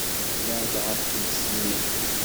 Beɛɛed ɣef tmes-nni.